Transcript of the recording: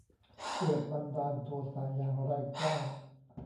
เกิดบันดาลโทสะอย่างแรงกล้า